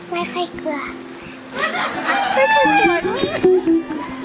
ไม่เคยกลัวไม่เคยกลัว